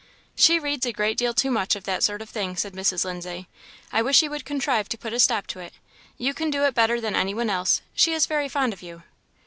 "She reads a great deal too much of that sort of thing," said Mrs. Lindsay. "I wish you would contrive to put a stop to it. You can do it better than any one else; she is very fond of you."